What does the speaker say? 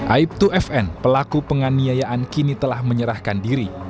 aib dua fn pelaku penganiayaan kini telah menyerahkan diri